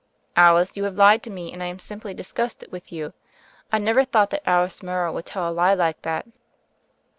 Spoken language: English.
"Alice, you have lied to me, and I am simply disgusted with you. I never thought that Alice Morrow would tell a lie like that."